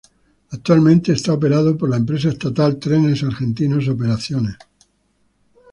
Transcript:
Actualmente es operado por la empresa estatal Trenes Argentinos Operaciones.